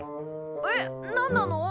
えっ何なの？